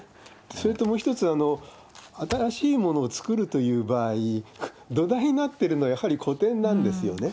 それともう一つ、新しいものを作るという場合、土台になってるのはやはり古典なんですよね。